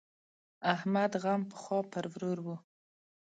احمد غم پخوا پر ورور وو.